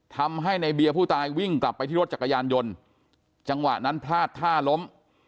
ทำให้ในเบียร์ผู้ตายวิ่งกลับไปที่รถจักรยานยนต์จังหวะนั้นพลาดท่าล้ม